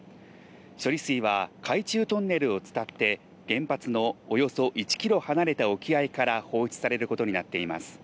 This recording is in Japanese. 処理水は海中トンネルを伝って原発のおよそ１ｋｍ離れた沖合から放出されることになっています。